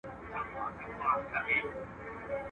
بې کسه بدي نه سي پاللاى.